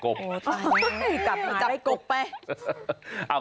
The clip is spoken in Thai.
กลับอาหารได้กลบไป